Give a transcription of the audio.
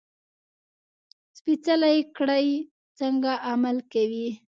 سپېڅلې کړۍ څنګه عمل کوي.